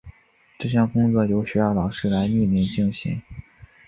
这项工作由学校老师来匿名进行。